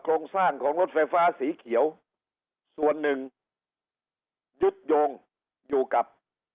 โครงสร้างของรถไฟฟ้าสีเขียวส่วนหนึ่งยึดโยงอยู่กับ